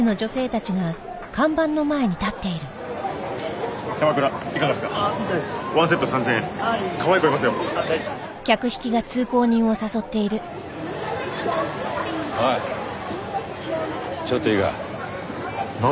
ちょっといいか？